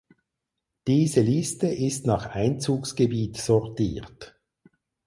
Diese Liste ist nach Einzugsgebiet sortiert.